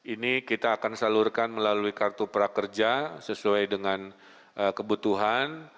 ini kita akan salurkan melalui kartu prakerja sesuai dengan kebutuhan